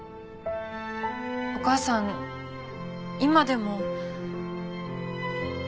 お母さん今でも。